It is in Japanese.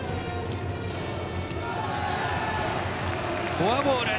フォアボール。